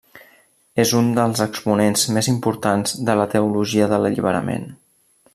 És un dels exponents més importants de la Teologia de l'Alliberament.